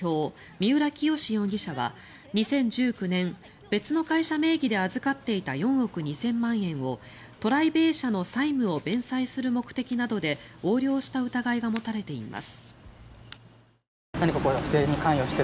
三浦清志容疑者は、２０１９年別の会社名義で預かっていた４億２０００万円をＴＲＩＢＡＹ社の債務を弁済する目的などで横領した疑いが持たれています。